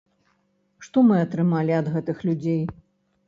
Што мы атрымалі ад гэтых людзей?